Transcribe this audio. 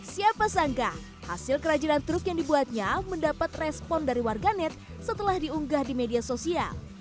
siapa sangka hasil kerajinan truk yang dibuatnya mendapat respon dari warganet setelah diunggah di media sosial